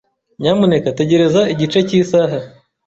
Nyamuneka tegereza igice cy'isaha.